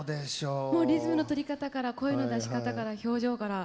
リズムの取り方から声の出し方から表情から。